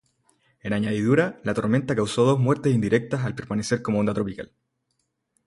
En añadidura, la tormenta causó dos muertes indirectas al permanecer como onda tropical.